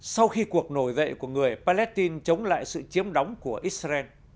sau khi cuộc nổi dậy của người palestine chống lại sự chiếm đóng của israel